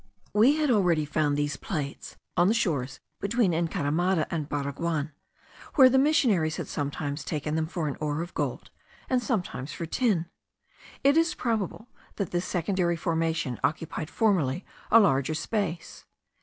We had already found these plates on the shores between Encaramada and Baraguan, where the missionaries had sometimes taken them for an ore of gold, and sometimes for tin. It is probable, that this secondary formation occupied formerly a larger space.